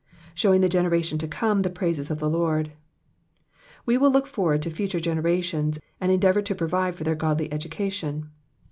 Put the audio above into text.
""^ Shewing to the generation to come the praises of the Lord.'''* We will look forward to future generations, and endeavour to provide for their godly education.